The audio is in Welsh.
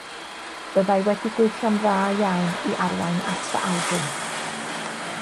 Byddai wedi gweithio'n dda iawn i arwain at fy albwm.